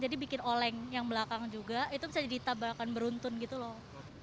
jadi bikin oleng yang belakang juga itu bisa ditabakan beruntun gitu loh